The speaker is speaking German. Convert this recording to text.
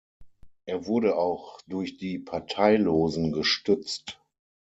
Er wurde auch durch die Parteilosen gestützt.